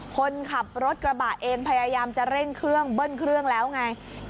คนขับรถกระบะเองพยายามจะเร่งเครื่องเบิ้ลเครื่องแล้วไง